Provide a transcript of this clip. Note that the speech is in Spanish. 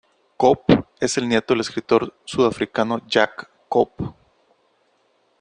Cope es el nieto del escritor sudafricano Jack Cope.